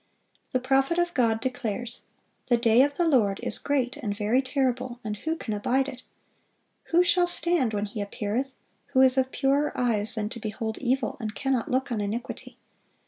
The prophet of God declares: "The day of the Lord is great and very terrible; and who can abide it?" Who shall stand when He appeareth who is "of purer eyes than to behold evil," and cannot "look on iniquity"?